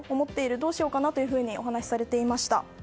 どうしようかなとお話しされていました。